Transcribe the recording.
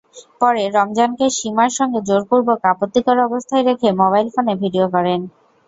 পরে রমজানকে সীমার সঙ্গে জোরপূর্বক আপত্তিকর অবস্থায় রেখে মোবাইল ফোনে ভিডিও করেন।